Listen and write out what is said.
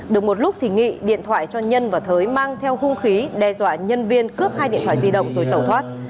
được một lúc thì nghị điện thoại cho nhân và thới mang theo hung khí đe dọa nhân viên cướp hai điện thoại di động rồi tẩu thoát